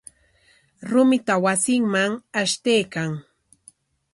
Rumita wasinman ashtaykan.